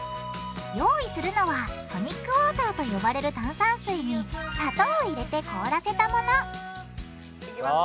用意するのはトニックウォーターと呼ばれる炭酸水に砂糖を入れて凍らせたものさあ